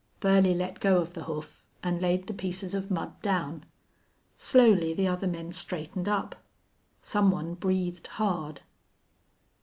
Burley let go of the hoof and laid the pieces of mud down. Slowly the other men straightened up. Some one breathed hard.